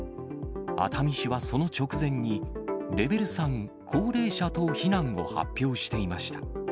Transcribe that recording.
熱海市はその直前にレベル３、高齢者等避難を発表していました。